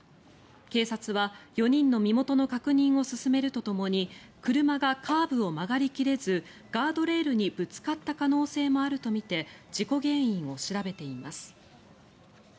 警察は４人の身元の確認を進めるとともに車がカーブを曲がり切れずガードレールにぶつかった可能性もあるとみて事故原因を調べています。